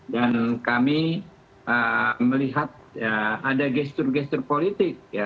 dan kami melihat ada gestur gestur politik